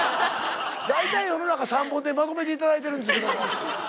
大体世の中３本でまとめて頂いてるんですけども。